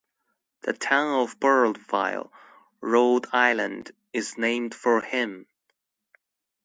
The town of Burrillville, Rhode Island, is named for him.